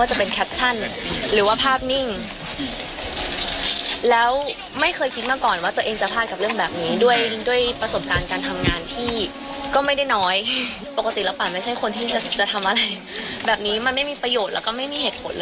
หนักกว่านี้หรอ